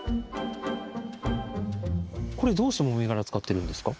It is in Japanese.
これどうしてもみ殻使ってるんですか？